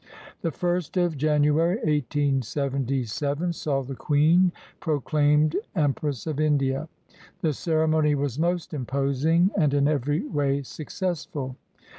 The first of January, 1877, saw the Queen proclaimed Empress of India. The ceremony was most imposing, and in every way successful.